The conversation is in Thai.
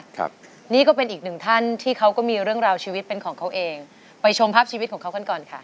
ครับนี่ก็เป็นอีกหนึ่งท่านที่เขาก็มีเรื่องราวชีวิตเป็นของเขาเองไปชมภาพชีวิตของเขากันก่อนค่ะ